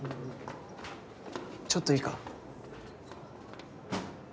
ちょっといいか？